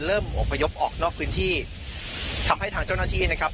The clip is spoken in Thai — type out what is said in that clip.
อบพยพออกนอกพื้นที่ทำให้ทางเจ้าหน้าที่นะครับ